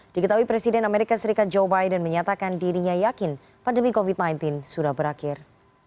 diketahui presiden amerika serikat joe biden menyatakan dirinya yakin pandemi covid sembilan belas sudah berakhir